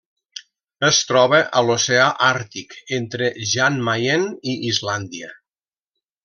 Es troba a l'Oceà Àrtic: entre Jan Mayen i Islàndia.